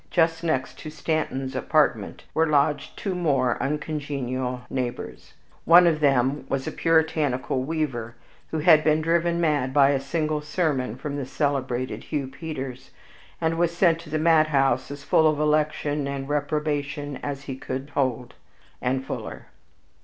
Just next to Stanton's apartment were lodged two most uncongenial neighbors. One of them was a puritanical weaver, who had been driven mad by a single sermon from the celebrated Hugh Peters, and was sent to the madhouse as full of election and reprobation as he could hold, and fuller.